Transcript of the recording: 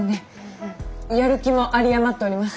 やる気も有り余っております！